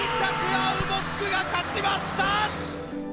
アウボックが勝ちました！